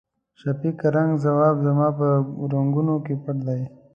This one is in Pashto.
شفق رنګه ځواب زما په رګونو کې پټ دی.